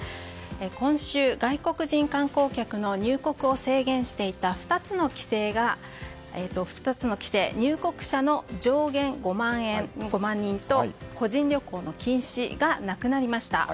今週、外国人観光客の入国を制限していた２つの規入国者の上限５万人と個人旅行の禁止がなくなりました。